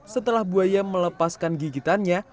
setelah buaya melepaskan gigitannya